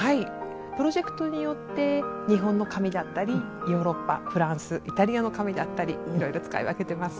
プロジェクトによって日本の紙だったりヨーロッパフランスイタリアの紙だったり色々使い分けています。